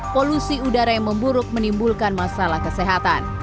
polusi udara yang memburuk menimbulkan masalah kesehatan